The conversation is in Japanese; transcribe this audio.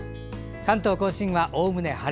関東・甲信はおおむね晴れ。